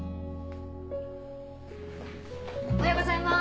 おはようございます。